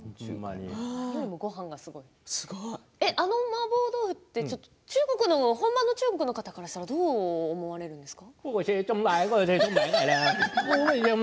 ごはんがすごいあのマーボー豆腐って中国の本場の中国の方からしたらどう思われるんですか。